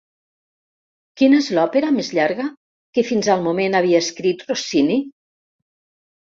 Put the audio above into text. Quina és l'òpera més llarga que fins al moment havia escrit Rossini?